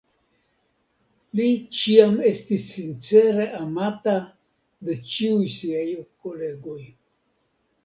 Li ĉiam estis sincere amata de ĉiuj siaj kolegoj.